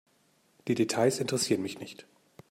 Die Details interessieren mich nicht.